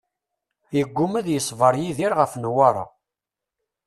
Yeggumma ad yeṣber Yidir ɣef Newwara.